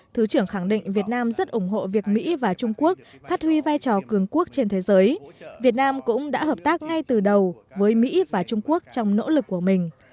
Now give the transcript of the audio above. thứ trưởng khẳng định việt nam rất ủng hộ việc mỹ và trung quốc phát huy vai trò cường quốc trên thế giới việt nam cũng đã hợp tác ngay từ đầu với mỹ và trung quốc trong nỗ lực của mình